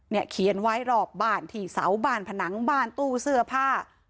เขียนไว้รอบบ้านที่เสาบ้านผนังบ้านตู้เสื้อผ้า